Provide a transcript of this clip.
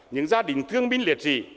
những gia đình thương minh liệt trị